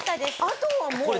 あとはもう。